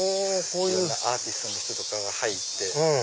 いろんなアーティストの人とかが入って。